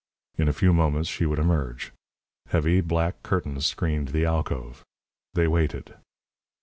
In a few moments she would emerge. Heavy, black curtains screened the alcove. They waited.